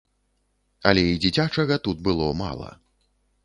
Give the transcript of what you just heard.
Але і дзіцячага тут было мала.